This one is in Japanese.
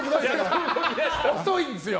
遅いんですよ。